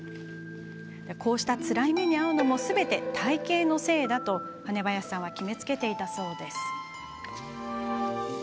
こうした、つらい目に遭うのもすべて体型のせいだと羽林さんは決めつけていたそうです。